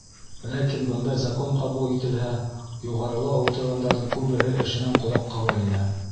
Ләкин бындай закон ҡабул ителһә, юғарыла ултырғандарҙың күбеһе эшенән ҡолаҡ ҡағыр ине.